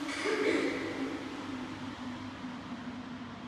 Úpravy lidových písní pro sólové hlasy a sbory.